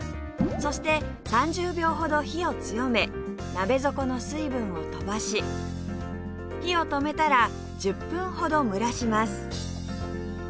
そして３０秒ほど火を強め鍋底の水分をとばし火を止めたら１０分ほど蒸らします